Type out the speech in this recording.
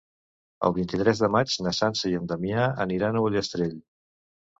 El vint-i-tres de maig na Sança i en Damià aniran a Ullastrell.